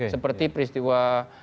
seperti peristiwa dua ribu sembilan